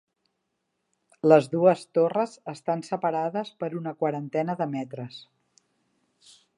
Les dues torres estan separades una quarantena de metres.